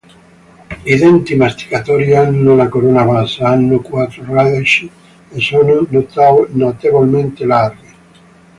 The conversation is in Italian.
I denti masticatori hanno la corona bassa, hanno quattro radici e sono notevolmente larghi.